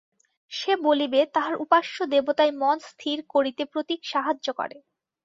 সে বলিবে, তাহার উপাস্য দেবতায় মন স্থির করিতে প্রতীক সাহায্য করে।